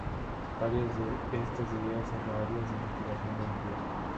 Varias de estas ideas son áreas de investigación hoy en día.